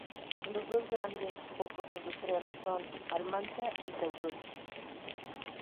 Los dos grandes focos industriales son Almansa y Caudete.